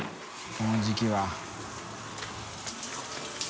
この時季は。